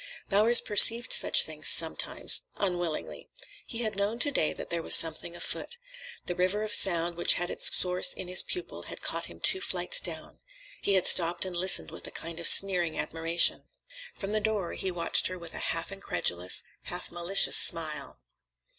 Bowers perceived such things sometimes—unwillingly. He had known to day that there was something afoot. The river of sound which had its source in his pupil had caught him two flights down. He had stopped and listened with a kind of sneering admiration. From the door he watched her with a half incredulous, half malicious smile.